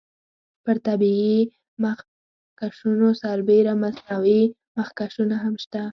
پر طبیعي مخکشونو سربیره مصنوعي مخکشونه هم شته.